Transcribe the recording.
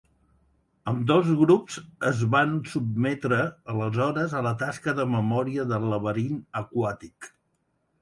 Ambdós grups es van sotmetre aleshores a la tasca de memòria del laberint aquàtic.